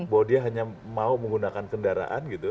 bahwa dia hanya mau menggunakan kendaraan gitu